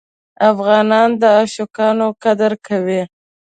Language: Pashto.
افغانان د عاشقانو قدر کوي.